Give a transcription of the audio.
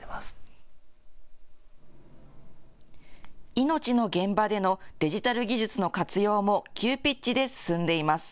命の現場でのデジタル技術の活用も急ピッチで進んでいます。